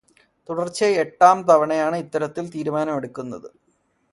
തുടർച്ചയായി എട്ടാം തവണയാണ് ഇത്തരത്തിൽ തീരുമാനമെടുക്കുന്നത്.